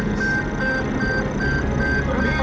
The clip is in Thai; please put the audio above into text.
น้ำ